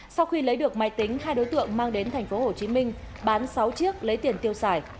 sau khi lấy được máy tính hai đối tượng mang đến thành phố hồ chí minh bán sáu chiếc lấy tiền tiêu xài